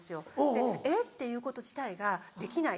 で「えっ⁉」て言うこと自体が「できない」